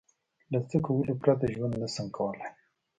له څه کولو پرته ژوند نشم کولای؟